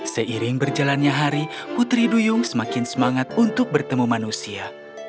seiring berjalannya hari putri duyung semakin semangat untuk bertemu manusia